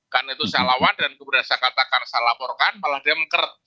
karena itu saya lawan dan kemudian saya katakan saya laporkan malah dia mengkert